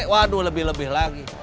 waduh lebih lebih lagi